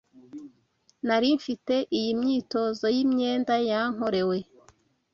Nari mfite iyi myitozo yimyenda yankorewe.